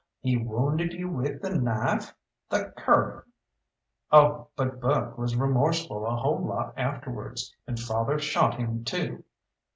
"He wounded you with a knife? The cur!" "Oh, but Buck was remorseful a whole lot afterwards, and father shot him too.